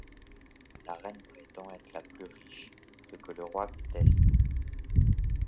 La reine prétend être la plus riche, ce que conteste le roi.